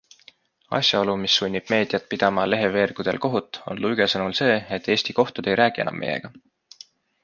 Asjaolu, mis sunnib meediat pidama leheveergudel kohut, on Luige sõnul see, et Eesti kohtud ei räägi enam meiega.